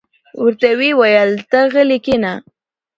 ورته ویې ویل: ته غلې کېنه.